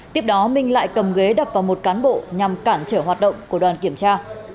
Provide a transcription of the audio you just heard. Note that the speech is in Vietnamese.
tiếp đó minh lại cầm ghế đập vào một cán bộ nhằm cản trở hoạt động của đoàn kiểm tra